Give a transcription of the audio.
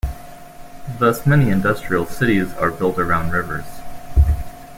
Thus many industrial cities are built around rivers.